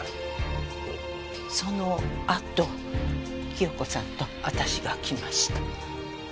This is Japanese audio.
そのあと清子さんと私が来ました。